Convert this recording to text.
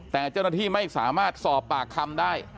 แต่เจ้าหน้าที่ไม่สามารถสอบปากคำได้